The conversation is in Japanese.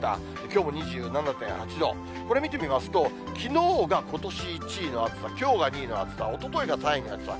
きょうも２７．８度、これ見てみますと、きのうがことし１位の暑さ、きょうが２位の暑さ、おとといが３位の暑さ。